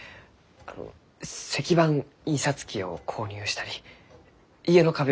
あの石版印刷機を購入したり家の壁を壊したり。